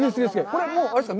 これはあれですか。